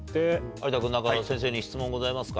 有田君先生に質問ございますか？